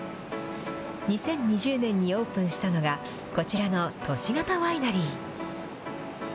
２０２０年にオープンしたのが、こちらの都市型ワイナリー。